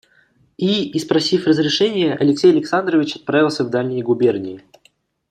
И, испросив разрешение, Алексей Александрович отправился в дальние губернии.